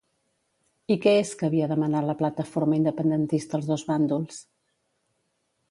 I què és que havia demanat la plataforma independentista als dos bàndols?